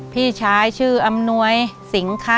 พี่ชายชื่ออำนวยสิงคะ